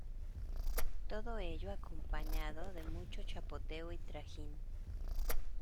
todo ello acompañado de mucho chapoteo y trajín.